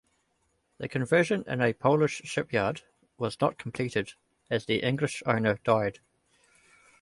The conversion in a Polish shipyard was not completed as the English owner died.